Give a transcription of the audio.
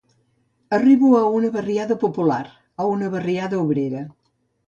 Arribo a una barriada popular, a una barriada obrera